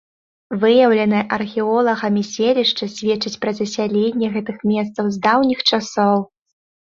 Выяўленае археолагамі селішча сведчыць пра засяленне гэтых месцаў з даўніх часоў.